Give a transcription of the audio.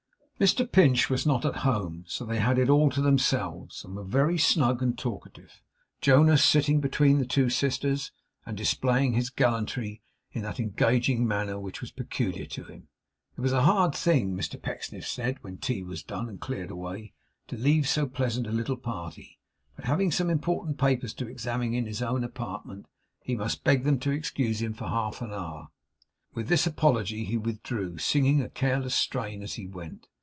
Mr Pinch was not at home, so they had it all to themselves, and were very snug and talkative, Jonas sitting between the two sisters, and displaying his gallantry in that engaging manner which was peculiar to him. It was a hard thing, Mr Pecksniff said, when tea was done, and cleared away, to leave so pleasant a little party, but having some important papers to examine in his own apartment, he must beg them to excuse him for half an hour. With this apology he withdrew, singing a careless strain as he went.